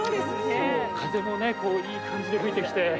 風もこう、いい感じに吹いてきて。